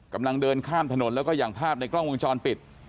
กำลังเดินข้ามถนนแล้วก็อย่างภาพในกล้องวงจรปิด